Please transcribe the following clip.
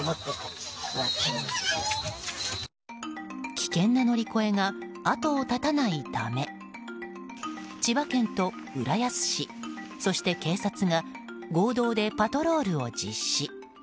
危険な乗り越えが後を絶たないため千葉県と浦安市、そして警察が合同でパトロールを実施。